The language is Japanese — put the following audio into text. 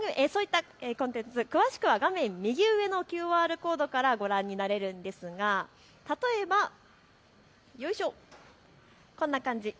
詳しくは画面右上のＱＲコードからご覧になれるんですが例えばこんな感じ。